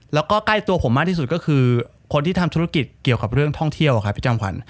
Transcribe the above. แล้วก็ใกล้ตัวผมมากที่สุดก็คือคนที่ทำธุรกิจเกี่ยวกับเรื่องท่องเที่ยวครับพี่จำขวัญ